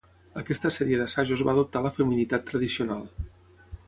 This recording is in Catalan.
Aquesta sèrie d'assajos va adoptar la feminitat tradicional.